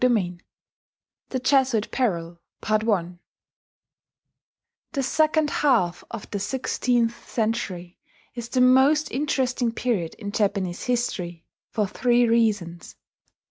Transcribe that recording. THE JESUIT PERIL The second half of the sixteenth century is the most interesting period in Japanese history for three reasons.